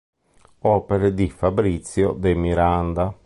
Opere di Fabrizio de Miranda